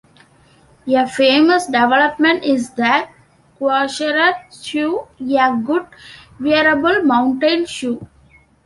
A famous development is the "Goiserer Schuh", a good wearable mountain-shoe.